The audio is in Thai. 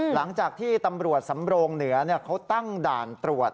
หลังจากที่ตำรวจสำโรงเหนือเขาตั้งด่านตรวจ